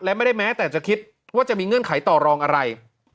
และไม่ได้แม้แต่จะคิดว่าจะมีเงื่อนไขต่อรองอะไร